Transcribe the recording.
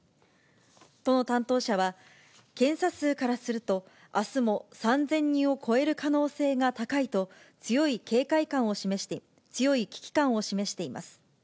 都の担当者は、検査数からすると、あすも３０００人を超える可能性が高いと、強い危機感を示しています。